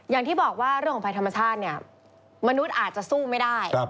อย่างที่บอกว่าเรื่องของภัยธรรมชาติเนี่ยมนุษย์อาจจะสู้ไม่ได้